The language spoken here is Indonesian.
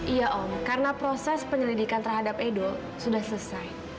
iya om karena proses penyelidikan terhadap edo sudah selesai